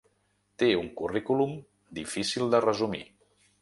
Té un currículum difícil de resumir.